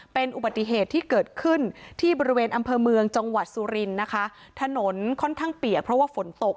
เป็นอุบัติเหตุที่เกิดขึ้นที่บริเวณอำเภอเมืองจังหวัดสุรินทร์นะคะถนนค่อนข้างเปียกเพราะว่าฝนตก